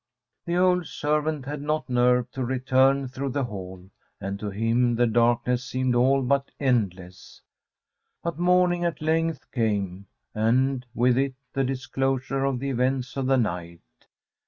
The old servant had not nerve to return through the hall, and to him the darkness seemed all but endless; but morning at length came, and with it the disclosure of the events of the night.